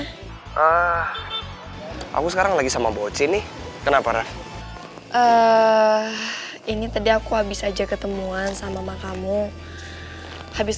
eh aku sekarang lagi sama boci nih kenapa ini tadi aku habis aja ketemuan sama makamu habis